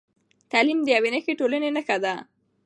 تعلیم د یوې ښې ټولنې نښه ده.